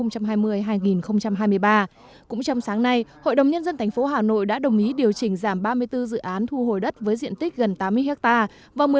cũng trong sáng nay hội đồng nhân dân tp hà nội đã đồng ý điều chỉnh giảm ba mươi bốn dự án thu hồi đất với diện tích gần tám mươi hectare